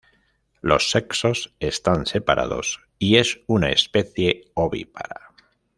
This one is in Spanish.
Los sexos están separados, y es una especie ovípara.